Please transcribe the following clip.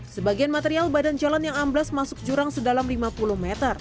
sebagian material badan jalan yang amblas masuk jurang sedalam lima puluh meter